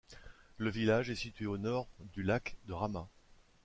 Le village est situé au nord du lac de Rama.